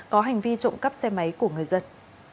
có hành vi trộm cắp xe máy của người dân